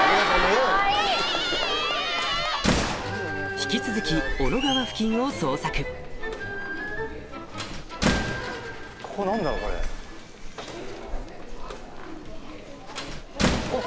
引き続き小野川付近を捜索あっあっ